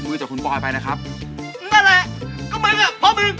สิบเหมือนของตัวเองจริงในนะพี่ต้อม